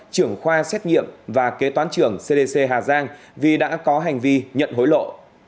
trưởng khoa xét nghiệm và kế toán trưởng cdc hà giang vì đã có hành vi nhận hối lộ